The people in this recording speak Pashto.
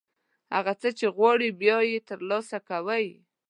هغه څه چې غواړئ، بیا یې ترلاسه کوئ.